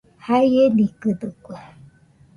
Jaienikɨdɨkue